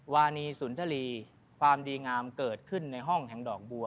วานีสุนทรีความดีงามเกิดขึ้นในห้องแห่งดอกบัว